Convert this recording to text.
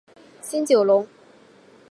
新九龙。